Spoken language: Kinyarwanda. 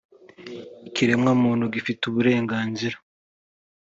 ikiremwamuntu gifite uburenganzira.